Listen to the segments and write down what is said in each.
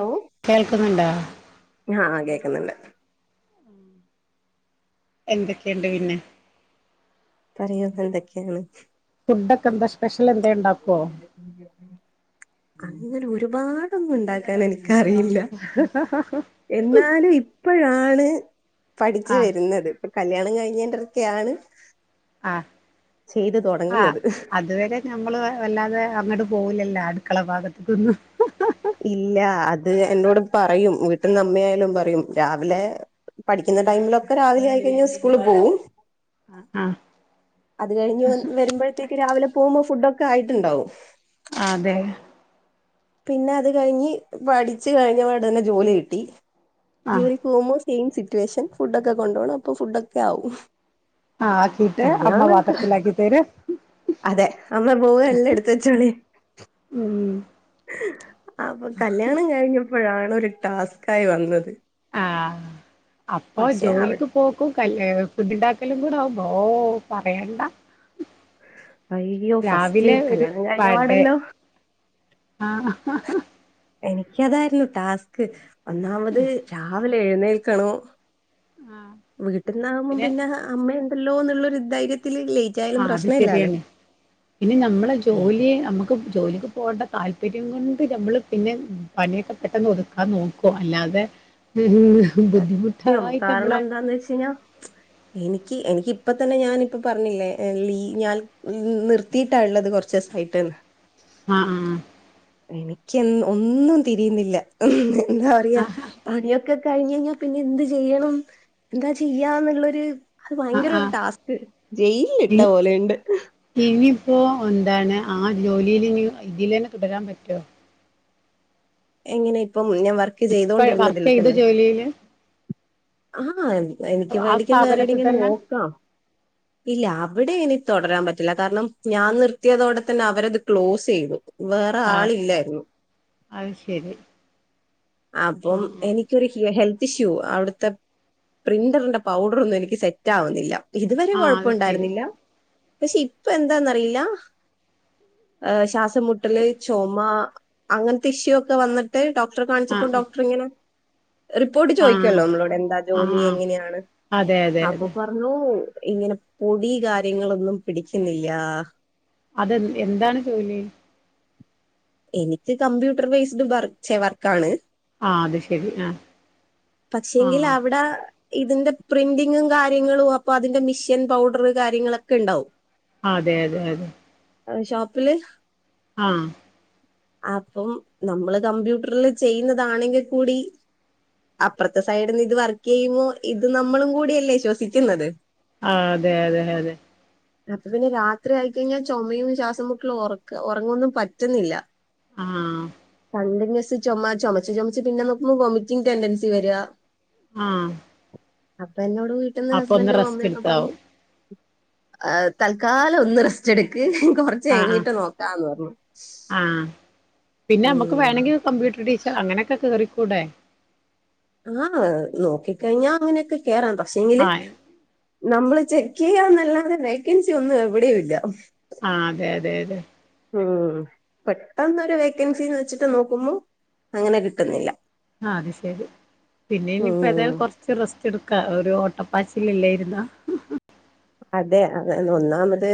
Hello കേൾക്കുന്നുണ്ടോ ആഹ് കേൾക്കുന്നുണ്ട് എന്തൊക്കെയുണ്ട് പിന്നെ പറയൂ ഇന്ന് എന്തൊക്കെയാണ് ഫുഡൊക്കെ എന്താ സ്പെഷ്യൽ എന്തേ ഉണ്ടാക്കോ അങ്ങനെ ഒരുപാടൊന്നും ഉണ്ടാക്കാറില്ല ക്കറിയില്ല എന്നാലും ഇപ്പോഴാണ് പഠിച്ചു ആഹ് വരുന്നത് ഇപ്പൊ കല്യാണം കഴിഞ്ഞോണ്ടൊക്കെയാണ് ആഹ് ആഹ് തുടങ്ങുന്നത് അതുവരെ ഞമ്മള് വല്ലാതെ അങ്ങട് പോവലില്ല അടുക്കള ഭാഗത്തേക്കൊന്നും ഇല്ല അത് എന്നോട് പറയും വീട്ട്ന്ന് അമ്മയായാലും പറയും രാവിലെ പഠിക്കുന്ന ടൈമിലൊക്കെ രാവിലെ ആയിക്കഴിഞ്ഞാൽ സ്കൂളിൽ പോവും ആഹ് അത് കഴിഞ്ഞ് വന്ന് വരുമ്പഴത്തേക്ക് രാവിലെ പോകുമ്പോ ഫുഡോക്കെ ആയിട്ടുണ്ടാവും. ആഹ് ആതെ പിന്നെ അത് കഴിഞ്ഞ് പഠിച്ച് കഴിഞ്ഞ ഉടനെ ജോലി കിട്ടി. ആഹ് ജോലിക്കോകുമ്പോ സെയിം സിറ്റുവേഷൻ. ഫുഡൊക്കെ കൊണ്ടോണം. അപ്പൊ ഫുഡോക്കെ ആവും. ആഹ് ആക്കിട്ട് അമ്മ കല്യാണൊക്കെ പാത്രത്തിലാക്കി തരും. അതെ അമ്മ പോവേ എല്ലാം എട്ത്ത്ച്ചാണീ ഉം അപ്പൊ കല്യാണം കഴിഞ്ഞപ്പഴാണ് ഒരു ടാസ്ക്കായി വന്നത്. ആഹ് അപ്പൊ പക്ഷെ അവിടെ ജോലിക്ക് പോക്കും കല്ല്യാ ഏഹ് ഫുഡ്ണ്ടാക്കലും കൂടെ ആകുമ്പോ ഓഹ് പറയണ്ട അയ്യോ ഫസ്റ്റ് രാവിലെ ഒരു കല്യാണം കഴിഞ്ഞ വടെ പാടല്ലോം ആഹ് എനിക്കതായിരുന്നു ടാസ്ക്. ഒന്നാമത് രാവിലെ എഴുന്നേൽക്കണം. വീട്ടിന്നാകുമ്പം പിന്നെ അമ്മയുണ്ടല്ലോന്നുള്ളൊ രു ധൈര്യത്തിലല്ലേ? ആഹ് അത് ശരിയാണ്. പിന്നെ ഞമ്മളെ ഏത് ജോലി നമ്മക്ക് ജോലിക്ക് പോണ്ട താല്പര്യം കൊണ്ട് ഞമ്മള് പിന്നെ പണിയൊക്കെ പെട്ടെന്ന് ഒതുക്കാൻ നോക്കും അല്ലാതെ ഉം ഉം. സത്യം ബുദ്ധിമുട്ടായിട്ട് കാരണം നമ്മള് എന്താന്ന് വെച്ചഴിഞ്ഞാ എനിക്ക് എനിക്ക് ഇപ്പതന്നെ ഞാനിപ്പോ പറഞ്ഞില്ലേ ഏഹ് ലീ ഞാൻ നീ നിർത്തിയിട്ടാ ഇള്ളത് കൊർച്ദിവസായിട്ട്ന്ന് ആഹ് ആഹ് എനിക്ക് എൻ ഒന്നും തിരിയുന്നില്ല എൻ എഞ്ഞാ പറയാ പണിയൊക്കെ കഴിഞ്ഞ്ഴിഞ്ഞാ പിന്നെ എന്ത് ചെയ്യണം എന്താ ചെയ്യാന്ന്ള്ളൊര് അത് ആഹ് ഭയങ്കര ഒരു ആഹ് ടാസ്ക് ജയിലിൽ ഇട്ട പോലെയിണ്ട് ഇനിപ്പോ എന്താണ് ആ ജോലീലിനി ഇതിലന്നെ തുടരാൻ പറ്റോ എങ്ങനെ ഇപ്പം ഞാൻ വർക്ക് ഇപ്പ വർക്ക് ചെയ്ത ചെയ്തോണ്ടിരിന്നതിൽതന്നെ ജോലിയില് ആഹ് എ എനിക്ക് ആ വേണ്ടങ്കി വേറെ സ്ഥാപനത്തിൽ എവ്ടേങ്കിലും തന്നെ നോക്കാം ഇല്ല അവിടെ എനി തൊടരാൻ പറ്റില്ല കാരണം ഞാൻ നിർത്തിയതോടെ തന്നെ അവരത് ക്ലോസെയ്തു വേറെ ആളില്ലായ്ര്ന്നു അഹ്ശരി അപ്പം എനി ക്കൊരു ഹിഹെ ഹെൽത്ത് ഇഷ്യൂ അവിട്ത്തെ പ്രിന്ററിന്റെ പൗഡ്റൊന്നും എനിക്ക് സെറ്റാവുന്നില്ല ഇത് വരെ ആഹ് അത് ശരി കൊഴപ്പോണ്ടായിരുന്നില്ല പക്ഷെ ഇപ്പ എന്താന്നറിയില്ല ഏ്ഹ് ശാസ് സം മുട്ടല് ചൊമ അങ്ങൻത്തെ ഇഷ്യൂ ഒക്കെ വന്ന്ട്ട് ഡോക്ടറെ കാണിച്ചപ്പം ആഹ് ആഹ് ഡോക്ടറിങ്ങനെ റിപ്പോർട്ട് ആഹ് ചോയ്ക്കോല്ലോ നമ്മളോട് എന്താ ജോലി ആഹ് എങ്ങനെയാണ് അതെ അതെ അപ്പോ അതെ പ ർഞ്ഞൂ ഇങ്ങനെ പൊടീ കാര്യങ്ങളൊന്നും പിടിക്കുന്നില്ലാ അതെന്ത്‌ എന്താണ് ജോലി എനിക്ക് കമ്പ്യൂട്ടർ ബേസ്ഡ് വർ ചെ വർക്കാണ് ആഹ് അത് ശെരി ആഹ് ആ പക്ഷേങ്കില് അവ്ടാ ഇതിന്റെ പ്രിന്റിങ്ങും കാര്യങ്ങളും അപ്പൊ അതിന്റെ മിഷ്യൻ പൗഡറ് കാര്യങ്ങളൊക്കെ ഇണ്ടാവും ആതെ അതെ അതെ അഹ് ഷോപ്പില് ആഹ് അപ്പം നമ്മള് കമ്പ്യൂട്ടർല് ചെയ്യുന്നതാണെങ്കിൽ കൂടി അപ്പർത്തെ സൈഡിന്ന് ഇത് വർക്കെയ്യുമ്പോ ഇത് നമ്മളും കൂടിയല്ലേ ശ്വസിക്ക്ന്നത് ആഹ് അതെ അതെ അതെ [inaudible] അപ്പ പിന്നെ രാത്രി ആയിക്കഴിഞ്ഞാ ചൊമയും ശ്വാസംമുട്ടലും ഒറക്ക ഒറങ്ങൊന്നും പറ്റ്ന്നില്ല ആഹ് കണ്ടിന്യൂസ് ചാെമ ചൊമച്ച് ചാെമച്ച് പിന്നെ നോക്കുമ്പോ വൊമിറ്റിങ് ടെൻഡൻസി വര്യാ ആഹ് അപ്പഇന്നോട് വീട്ട്ന്ന് ഹസ്ബൻഡും റെസ്റ്റ് അമ്മയൊക്കെ പർഞ്ഞു എടുത്താവും ആഹ് തൽക്കാലം ഒന്ന് റെസ്റ്റ് എട്ക്ക് ഇൻക്ക് കൊറച്ച് കഴിഞ്ഞിട്ട് നോക്കാന്ന് പർഞ്ഞു ആഹ് പിന്നെ നമ്മക്ക് ഉം. വേണെങ്കി കമ്പ്യൂട്ടർ ടീച്ചർ അങ്ങനെക്കെ കേറിക്കൂടെ ആഹ് നോക്കിക്കഴിഞ്ഞാ അങ്ങനെക്കെ കേറാം പക്ഷേങ്കില് ആ നമ്മള് ചെക്കെയ്യാന്നല്ലാതെ വേക്കൻസി ഒന്നും എവിടെയും ഇല്ല ആഹ് അതെ അതെ അതെ ഉം പെട്ടെന്നൊരു വേക്കൻസീന്ന് വെച്ച്ട്ട് നോക്കുമ്പോ അങ്ങനെ കിട്ടുന്നില്ല ആഹ് അത് ശരി പിന്നെ ഇനിയിപ്പോ ഉം എതായാലും കൊർ കൊർച്ച് റെസ്റ്റ് എട്ക്കാ ഒരു ഓട്ടപ്പാച്ചിലല്ലേയ്ര്ന്നാ അതെ അതെ ഇത് ഒന്നാമത്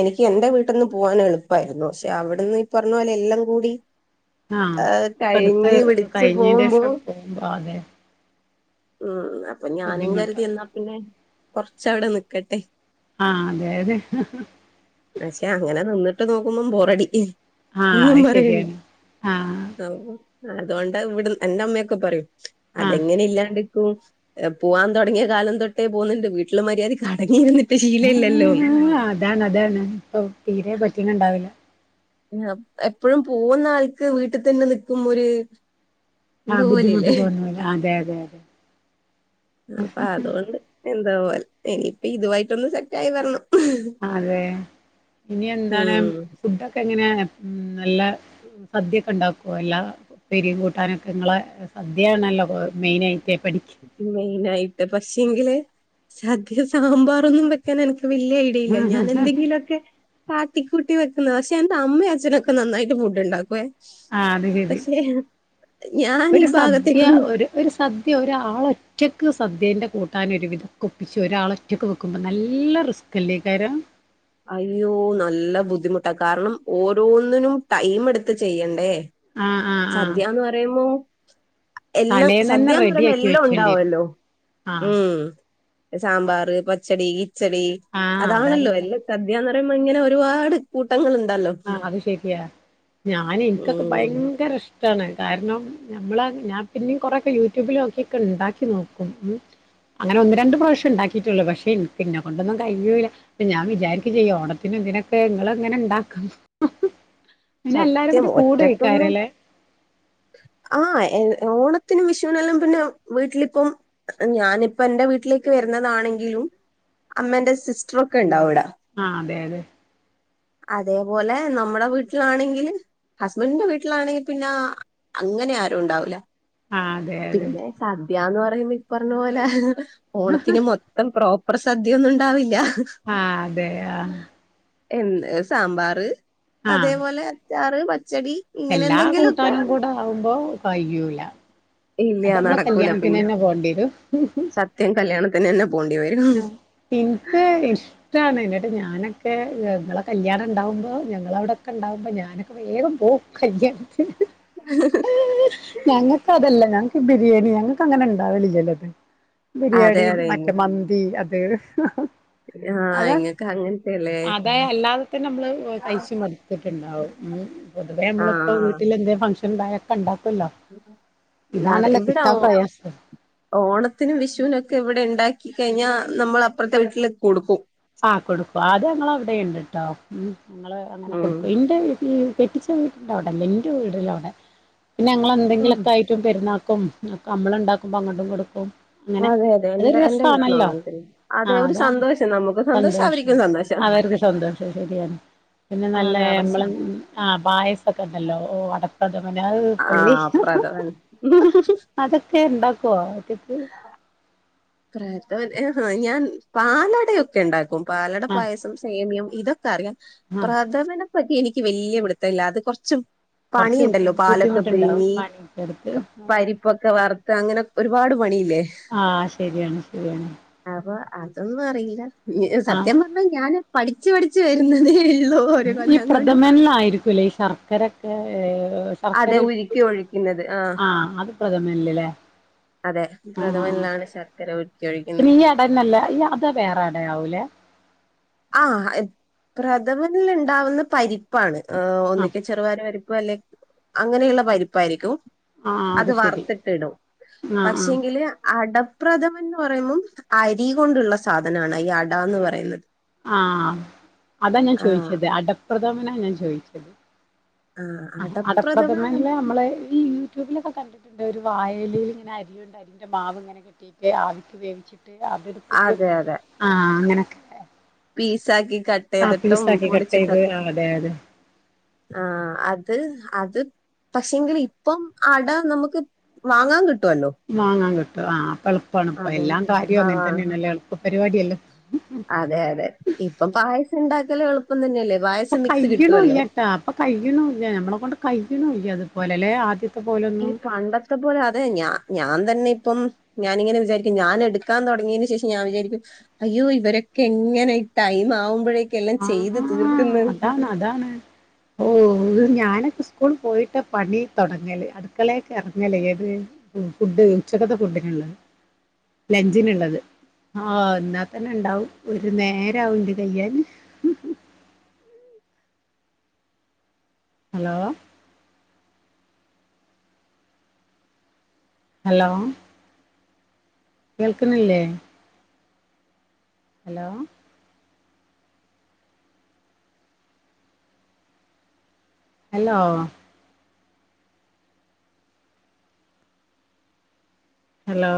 എനിക്ക് എന്റെ വീട്ട്ന്ന് പോവാൻ എളുപ്പായിരുന്നു പക്ഷെ അവിട്ന്ന് പർഞ്ഞ പോലെ എല്ലാം കൂടി ആ ഏ്ഹ് ഒക്കെ എടുത്ത് കഴിഞ്ഞി വിടിച്ച് കഴിഞ്ഞതിൻ്റെ പോവുമ്പോ ശേഷം പോകുമ്പോൾ അതെ ഉം അപ്പൊ ഞാനും കരുതി ബുദ്ധിമുട്ടാവും എന്നാ പിന്നെ കൊറച്ചവിടെ നിക്കട്ടെ. ആഹ് അതായത് പക്ഷെ അങ്ങനെ നിന്നിട്ട് നോക്കുമ്പം ബോറടി. ആ ഒന്നും അത് പറയണ്ട. ശരിയാണ് ആ ആഹ് അതോണ്ടാ ഇവ്ട് എന്റെ ഉമ്മയൊക്കെ പറയും ആ അതെങ്ങനെ ഇല്ലാണ്ട്ക്കും. പോവാൻ തുടങ്ങിയ കാലം തൊട്ടേ പോകുന്നുണ്ട് വീട്ടില് മര്യാദ അടങ്ങി ഇരുന്നിട്ട് ശീല ഇല്ലല്ലോന്ന്. ആ അതാണ് അതാണ് ഇപ്പൊ തീരെ പറ്റ്ണ് ണ്ടാവില്ല. ആഹ് എപ്പഴും പോവുന്ന ആൾക്ക് വീട്ട് തന്നെ നിക്കുംമ്പൊര് ആ എന്തോ ബുദ്ധിമുട്ട് പോലില്ലേ, തോന്നൂല അതെ അതെ അതെ അപ്പൊ അതുകൊണ്ട്. എന്തോ പോലെ. ഇനിയിപ്പ ഇതുവായിട്ടൊന്ന് സെറ്റ് ആയി വരണം. അതെ. ഇനി എന്താണ് ഉം ഫുഡൊക്കെ എങ്ങനെ എ ഉം നല്ല സദ്യൊക്കെണ്ടാക്കോ എല്ലാ ഉപ്പേരിം കൂട്ടാനൊക്കെ ഇങ്ങളെ സദ്യേണല്ലോ കൊ മെയിനായിറ്റ് പഠിക്- മെയിനായിട്ട് പക്ഷെങ്കില് സദ്യ സാമ്പാറൊന്നും വെക്കാൻ എനക്ക് വെല്യ ഐ ഡില്ല. ഞാൻ എന്തെങ്കിലൊക്കെ കാട്ടിക്കൂട്ടി വെക്കുന്നതാ. പക്ഷെ എന്റെ അമ്മയും അച്ഛനും ഒക്കെ നന്നായിട്ട് ഫുഡ്ണ്ടാക്കുവേ. ആ അത് ശരി പക്ഷെ ഞാൻ ഈ ഒരു സദ്യ ഭാഗത്തേക്ക് ഒന്നും ഒരു ഒരു സദ്യ ഒരാളൊറ്റക്ക് സദ്യന്റെ കൂട്ടാൻ ഒരു വിധൊക്കെ ഒപ്പിച്ചൊ ഒരാളൊ റ്റക്ക് വെക്കുമ്പം നല്ല റിസ്ക്കല്ലേക്കാരം. അയ്യോ നല്ല ബുദ്ധിമുട്ടാ. കാരണം ഓരോന്നിനും ടൈം എടുത്ത് ചെയ്യണ്ടേ. ആഹ് ആ ആ സദ്യാന്ന് പറയുമ്പം എല്ലം തലേന്നന്നെ സദ്യാന്ന് പറയുമ്പം റെഡിയാക്കി എല്ലം വെച്ചേണ്ടി വരും ഉണ്ടാവൊല്ലോ ആ ഉം. സാമ്പാർ, പച്ചടി, കിച്ചടി ആഹ് അതാ അതാണല്ലോ ഞാൻ എല്ല സദ്യാന്ന് പറയുമ്പം ഇങ്ങനെ ഒരുപാട് കൂട്ടങ്ങൾ ഇണ്ടല്ലോ. ആഹ് അത് ശരിയാ. ഞാൻ ഇൻക്കൊക്കെ ഉം ഭയങ്കര ഇഷ് ടാണ്. കാരണം ഞമ്മള ഞാൻ പിന്നിം കൊറെ ഒക്കെ യൂട്യൂബിലോക്കിയൊക്കെ ഉണ്ടാക്കി നോക്കും ഉം. അങ്ങനെ ഒന്ന് രണ്ട് പ്രാവശ്യണ്ടാക് കീറ്റൊള്ളു. പക്ഷെ ഇൻക്ക് ഇന്നെ കൊണ്ടൊന്നും കയ്യൂല്ല. അപ്പം ഞാൻ വിചാരിക്കും ചെയ്യും ഓണത്തിനും തിനൊക്കെ ഇങ്ങള്ങ്ങനെ ഇണ്ടാ ക്കും. സത്യം ഒറ്റക്കൊന്നും കൂടേക്കാരല്ലേ ആഹ് എ ഓണത്തിനും വിഷുവിനെല്ലാം പിന്നെ വീട്ടിലിപ്പം ഞാനിപ്പ എന്റെ വീട്ടിലേക്ക് വര്നതാണെങ്കിലും അമ്മെന്റെ സിസ്റ്ററൊക്കെ ഇണ്ടാവും ഇവിട. ആഹ് അതെ അതെ. അതേപോലെ നമ്മുടെ വീട് ട്ലു ആണെങ്കിൽ ഹസ്ബന്റിന്റെ വീട്ടിലാണെങ്കി പിന്നെ അങ്ങനെയാരും ഉണ്ടാവൂല്ല. ആഹ് അതെ അതെ പിന്നെ സദ്യാന്ന് പറയുമ്പം ഇപ്പറഞ്ഞ പോലെ ഓണത്തിന് മൊ ത്തം പ്രോപ്പർ സദ്യയൊന്നും ഉണ്ടാവില്ല. ആഹ് അതെ ആഹ്. എന്ന് ഒര് സാമ്പാർ ആഹ് അതേപോലെ അച്ചാറ് പച്ചടി ഇങ്ങനെ എല്ലാ എന്തെങ്കിലുമൊക്കെ കൂട്ടാനും കൂടെ ആവുമ്പോ കയ്യൂല. അത് ഇല്ല നമ്മളെ നടക്കൂല പിന്നെ കല്യാൺത്തിനെന്നെ പോണ്ട്യേരും. സത്യം കല്യാണത്തിനെന്നെ പോണ്ടി വരും. ഇന്ക്ക് ഇഷ് ടാണ്. ഇന്നട്ട് ഞാനൊക്കെ ഏഹ് ഇങ്ങളെ കല്യാണം ഉണ്ടാവുമ്പോ ഞങ്ങള അവ്ടെക്കെ ഉണ്ടാവുമ്പം ഞാനൊക്കെ വേഗം പോവും. കല്ലിയാണതിന്. ഞങ്ങൾക്ക് അതല്ല. ഞങ്ങക്ക് ബിരിയാണി ഞങ്ങക്ക് അങ്ങനെ ഇണ്ടാവല്ലില്ലലോ. അതെ ബിരിയാണി. അതെ മറ്റേ മന്തി അത് ആ ഇങ്ങക്ക് അങ്ങന അതേ അല്ലാതെതന്നെ നമ്മള് കയ്‌ച്ച് മടുത്തിട്ടുണ്ടാവും. പൊതുവേ നമ്മളിപ്പോ ആഹ് വീട്ടിലെന്ത ഫംഗ്ഷൻ ഉണ്ടായൊക്കെ ഇണ്ടക്കോല്ലോ. നാട ഇതാണല്ലോ ഇവിടെ കിട്ടാൻ ഓ പ്രയാസം. ഓണത്തിനും വിഷുവിനൊക്കെ ഇവിടെ ഉണ്ടാക്കി കഴിഞ്ഞാൽ നമ്മൾ അപ്പുറത്തെ വീട്ടിൽ കൊടുക്കും. ആ കൊടുക്കും. അത് ഞങ്ങളേ അവിടെ ഉണ്ട്ട്ടോ. ഉം ഞങ്ങള് അങ്ങനെ ഉം കൊടുക്കും ഇന്റെ വീട്ടിൽ കെട്ടിച്ച വീടിന്റെ അവിടെല്ല. ഇന്റെ വീടിന്റെ അവിടെ. പിന്നെ ഞങ്ങൾ ആഹ് എന്തെലൊക്കെ ആയിട്ട്. ചുറ്റും പെരുന്നാക്കും, നമ്മളുണ്ടാകുമ്പോ അങ്ങട്ടും കൊടുക്കും. അങ്ങനെ അതെ അതെ അതൊരു എന്റെ എന്റെ വീട്ടിലും രസാണല്ലോ. അങ്ങനെ തന്നെ ആ അതെ ഒരു അതാണ്. സന്തോഷം നമുക്ക് സന്തോഷം. അവർക്കും സന്തോഷം അവർക്ക് സന്തോഷം. ശരിയ. പിന്നെ നല്ല അതാ പക്ഷെ നമ്മളെ പായസൊക്കെ ഉണ്ടല്ലോ. ഓ അട പ്രഥമൻ. ഹാവു പൊളി ആഹ് പ്രധാനം അതൊക്കെ ഉണ്ടാക്കോ, ഒറ്റക്ക്. പ്രദമം. ഞാൻ പാലടയൊക്കെ ഉണ്ടാക്കും പാലട ആ പായസം സേമ്യം ഇതൊക്കെ, അറിയാം. ആ പ്രഥമനെപ്പറ്റി എനിക്ക് വല്യ പിടുത്തല്ല. അത് കുറച്ചു കൊറച്ച് പണിയുണ്ടല്ലോ പാലോക്കെ ബുദ്ധിമുട്ടുണ്ടാവും പിഴ്ഞ്, പണിയൊക്കെ എടുത്ത് പരിപ്പ് പരിപ്പൊക്കെ വറുത്ത് അങ്ങനെ ഒരുപാട് പണിയില്ലേ. ആ ശരിയാണ് ശരിയാണ്. അപ്പൊ അതൊന്നും അറിയില്ല. സത്യം ആഹ് പറഞ്ഞാ ഞാന് പഠിച്ചു പഠിച്ചു വരുന്നതേയോള്ളൂ. ഈ പ്രഥമന് ആയിരിക്കുവല്ലേ, ഈ ശർക്കരൊക്കെ ഏഹ് ശർക്കര അതെ. ഉരുക്കി ഒഴിക്കുന്നത് ആഹ്. പ്രഥമനിന്ല്ലെ. അതെ. പ്രഥമനിലാണ് ശർക്കര ഉരുക്കി ഒഴിക്കുന്നത്. അല്ല അല്ല അത് വേറെ അടയാവുംലെ. ആ പ്രഥമനിൽ ഉണ്ടാവുന്നത് പരിപ്പാണ്. ആഹ് ഒന്നിങ്കെ ചെറുവയർപരിപ്പ്, അല്ലെ അങ്ങനെയുള്ള പരിപ്പ് ആയിരിക്കും. ആഹ് അത് ശരി വറുത്തിടും. ആഹ് ആഹ് പക്ഷെങ്കില് അട പ്രഥമൻ ന്ന് പറയുമ്പോം, അരി കൊണ്ടുള്ള സാധനമാണ് ഈ അടാന്ന് പറയുന്നെ. ആ അതാ ഞാൻ ആഹ് ചോദിച്ചത് അടപ്രഥമനാ ഞാൻ ചോദിച്ചത്. ആഹ് ആ അടപ്രഥമൻ അടപ്രഥമനില് നമ്മൾ ഈ യൂട്യൂബിലൊക്കെ കണ്ടിട്ടുണ്ട്, ഒരു വാഴ ഇല്ലേൽ ഇങ്ങനെ അരിഞ്ഞു ഉണ്ടാക്കിയ മാവ് ഇങ്ങനെ കെട്ടിയിട്ട് ആവിക്ക് വേവിച്ചിട്ട്. അത് ഇട്ത്തിട്ട്. അതെ അതെ ആ അങ്ങനെക്കെ പീസാക്കി കട്ട് ചെയ്തിട്ടും പീസാക്കി കട്ട് ചെയ്ത് പൊടിച്ചിട്ടോക്കേ. അതെ അതെ ആ അത് അത്. പക്ഷെങ്കിൽ ഇപ്പം അട നമുക്ക് വാങ്ങാൻ കിട്ടുവല്ലോ. വാങ്ങാൻ കിട്ടും. ആ അപ്പൊ എളുപ്പാണുപ്പ എല്ലാം അതുകൊണ്ട് കാര്യവും അങ്ങനെ ആഹ് തന്നെയാണല്ലോ എളുപ്പ പരിപാടിയല്ലേ. അതെ അതെ ഇപ്പം പായസം ഉണ്ടാക്കല് എളുപ്പം തന്നെയല്ലേ. പായസം മിക്സ് കിട്ടുവല്ലോ. അപ്പ കയ്യുണുല്ല. നമ്മളെ കൊണ്ട് കയ്യുണുല്ല അതുപോലെലെ? ആദ്യ ഈ പണ്ടത്തെ പോലെ അതെ, ഞാ ഞാൻ തന്നെ ഇപ്പം ഞാനിങ്ങെനെ വിചാരിക്കും, ഞാന എടുക്കാൻ തുടങ്ങിയതിന ശേഷം ഞാൻ വിചാരിക്കും. അയ്യോ, ഇവരൊക്കെ എങ്ങനെ ഈ ടൈമ് ആവുമ്പോഴേക്കെല്ലാം ആ ചെയ്ത് തീർക്ക്ന്ന്? അതാണ്, അതാണ്. ഓ, ഞാനൊക്കെ സ്കൂൾ പോയിട്ട പണി തുടങ്ങല്, അടുക്കളയിലേക്ക് ഇറങ്ങല്. ഏത്? ഫുഡ് ഉച്ചക്കത്തെ ഫുഡിനുള്ളത്, ലഞ്ചിനുള്ളത്. ആഹ്, എന്നാ തന്നെ ഇണ്ടാവും, ഒരു നേരാവുന്റെത് കയ്യാന്. ഹലോ? ഹലോ? കേൾക്കുന്നില്ലേ? ഹലോ? ഹലോ? ഹലോ?